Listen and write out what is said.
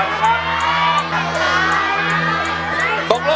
ไม่ใช่ไม่ใช่ไม่ใช่